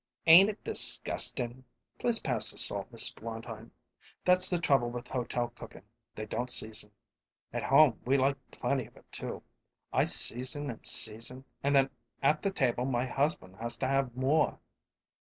Ain't it disgusting?" "Please pass the salt, Mrs. Blondheim. That's the trouble with hotel cooking they don't season. At home we like plenty of it, too. I season and season, and then at the table my husband has to have more."